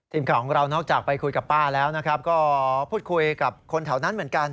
ทีมข่าวของเรานอกจากไปคุยกับป้าแล้วนะครับก็พูดคุยกับคนแถวนั้นเหมือนกัน